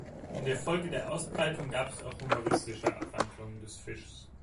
In der Folge der Ausbreitung gab es auch humoristische Abwandlungen des Fischs.